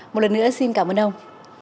một lần nữa xin cảm ơn ông